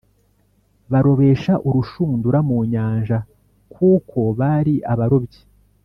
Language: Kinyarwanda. barobesha urushundura mu nyanja kuko bari abarobyi